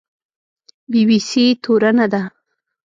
بي بي سي تورنه ده